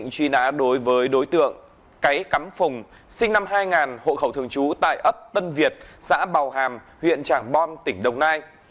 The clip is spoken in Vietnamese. cái cắm phùng sinh năm hai nghìn hộ khẩu thường trú tại ấp tân việt xã bào hàm huyện tràng bom tỉnh đồng nai